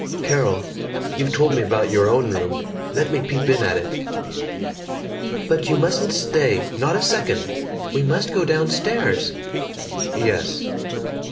"Carol! You've told me about your own room. Let me peep in at it." "But you mustn't stay, not a second. We must go downstairs." "Yes."